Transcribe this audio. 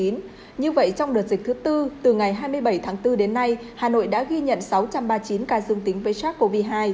như vậy trong đợt dịch thứ tư từ ngày hai mươi bảy tháng bốn đến nay hà nội đã ghi nhận sáu trăm ba mươi chín ca dương tính với sars cov hai